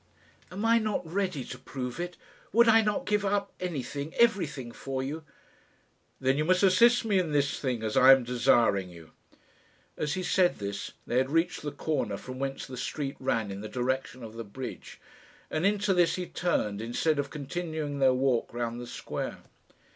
"Am I not ready to prove it? Would I not give up anything, everything, for you?" "Then you must assist me in this thing, as I am desiring you." As he said this they had reached the corner from whence the street ran in the direction of the bridge, and into this he turned instead of continuing their walk round the square.